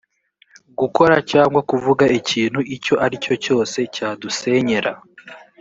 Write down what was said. gukora cyangwa kuvuga ikintu icyo ari cyo cyose cyadusenyera